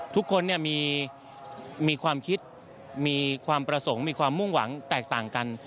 ทุกคนมีความคิดมีความประสงค์มีความมุ่งหวังแตกต่างกัน